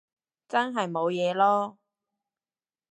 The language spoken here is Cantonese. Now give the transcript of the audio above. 真係冇嘢囉